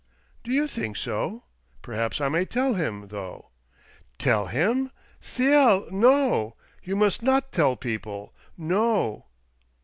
"Do you think so? Perhaps I may tell him, though." "Tell him? del— no I You must not tell people ! No